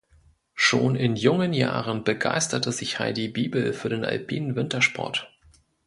Schon in jungen Jahren begeisterte sich Heidi Biebl für den alpinen Wintersport.